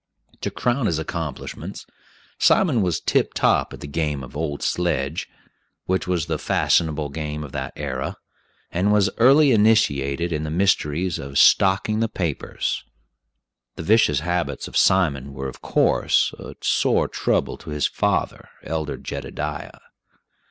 To crown his accomplishments, Simon was tip top at the game of "old sledge," which was the fashionable game of that era, and was early initiated in the mysteries of "stocking the papers." The vicious habits of Simon were, of course, a sore trouble to his father, Elder Jedediah.